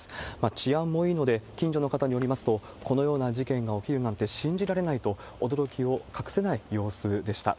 治安もいいので、近所の方によりますと、このような事件が起きるなんて信じられないと、驚きを隠せない様子でした。